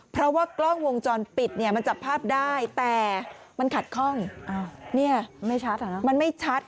เพราะว่ากล้องวงจรปิดมันจับภาพได้แต่มันขัดคล่องมันไม่ชัด